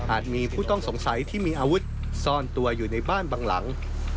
มีผู้ต้องสงสัยที่มีอาวุธซ่อนตัวอยู่ในบ้านบางหลัง